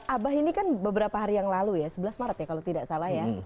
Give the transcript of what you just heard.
abah ini kan beberapa hari yang lalu ya sebelas maret ya kalau tidak salah ya